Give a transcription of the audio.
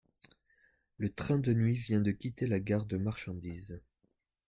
Le train de nuit vient de quitter la gare de marchandise